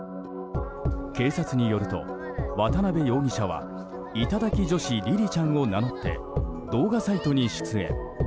警察によると、渡辺容疑者は頂き女子りりちゃんを名乗って動画サイトに出演。